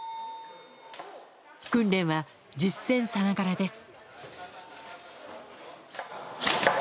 訓練は実戦さながらです。